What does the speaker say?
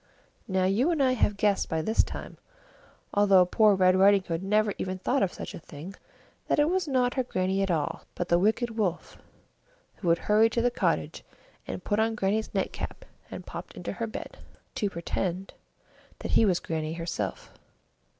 Now, you and I have guessed by this time, although poor Red Riding Hood never even thought of such a thing, that it was not her Grannie at all, but the wicked Wolf, who had hurried to the cottage and put on Grannie's nightcap and popped into her bed, to pretend that he was Grannie herself.